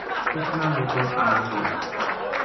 اُس نا موتن آ گیو